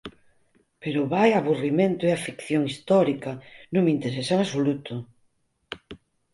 Pero vaia aburrimento é a ficción histórica! Non me interesa en absoluto.